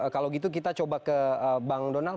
kalau gitu kita coba ke bang donald